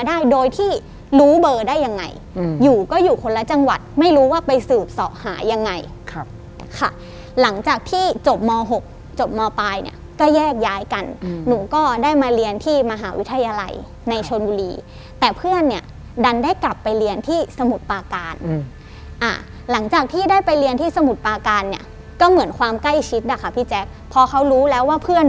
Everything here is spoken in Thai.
ได้โดยที่รู้เบอร์ได้ยังไงอืมอยู่ก็อยู่คนละจังหวัดไม่รู้ว่าไปสืบเสาะหายังไงครับค่ะหลังจากที่จบม๖จบมปลายเนี่ยก็แยกย้ายกันหนูก็ได้มาเรียนที่มหาวิทยาลัยในชนบุรีแต่เพื่อนเนี่ยดันได้กลับไปเรียนที่สมุทรปาการหลังจากที่ได้ไปเรียนที่สมุทรปาการเนี่ยก็เหมือนความใกล้ชิดนะคะพี่แจ๊คพอเขารู้แล้วว่าเพื่อน